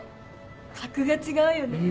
格が違うよね。